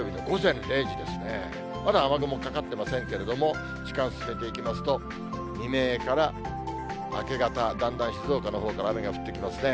まだ雨雲かかってませんけれども、時間進めていきますと、未明から、明け方、だんだん静岡のほうから雨が降ってきますね。